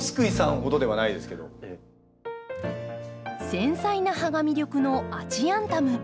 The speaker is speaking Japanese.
繊細な葉が魅力のアジアンタム。